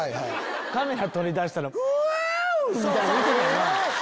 カメラ撮りだしたらフワウ！みたいな言うてたよな。